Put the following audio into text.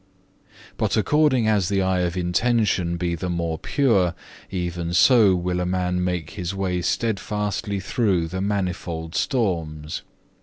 2. "But according as the eye of intention be the more pure, even so will a man make his way steadfastly through the manifold storms.